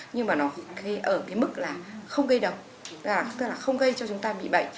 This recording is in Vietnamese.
nhưng mà nó ở mức là không gây đập tức là không gây cho chúng ta bị bệnh